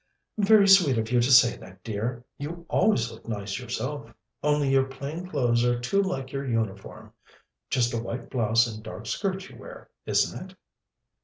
"Very sweet of you to say that, dear. You always look nice yourself, only your plain clothes are too like your uniform just a white blouse and dark skirt you wear, isn't it?"